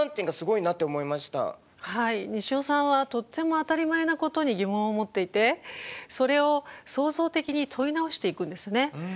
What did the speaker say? はい西尾さんはとっても当たり前なことに疑問を持っていてそれを創造的に問い直していくんですね。